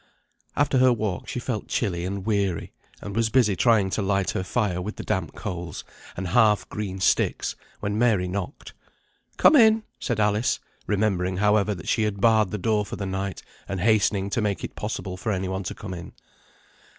After her walk she felt chilly and weary, and was busy trying to light her fire with the damp coals, and half green sticks, when Mary knocked. "Come in," said Alice, remembering, however, that she had barred the door for the night, and hastening to make it possible for any one to come in.